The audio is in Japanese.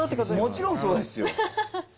もちろんそうですよ。